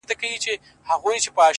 پلار وای دا لور چي پلاني پير ته ودېږي-